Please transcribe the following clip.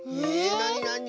なになに？